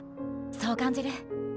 そう感じる。